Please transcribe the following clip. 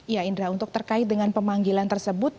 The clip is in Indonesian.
ya indra untuk terkait dengan pemanggilan tersebut